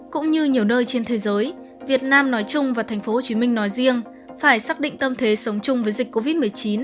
cũng như nhiều nơi trên thế giới việt nam nói chung và tp hcm nói riêng phải xác định tâm thế sống chung với dịch covid một mươi chín